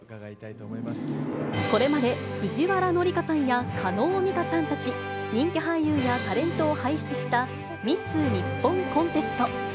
これまで藤原紀香さんや叶美香さんたち、人気俳優やタレントを輩出したミス日本コンテスト。